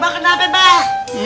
pak apa kenapa pak